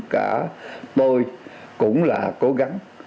cả tôi cũng là cố gắng